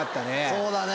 そうだね。